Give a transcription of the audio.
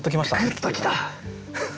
グッときた。